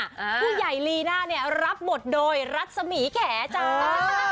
ผู้ใหญ่ลีน่าเนี่ยรับบทโดยรัศมีแขจ้า